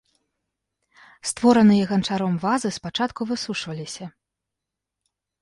Створаныя ганчаром вазы спачатку высушваліся.